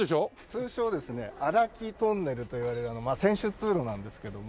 通称ですね荒木トンネルといわれる選手通路なんですけども。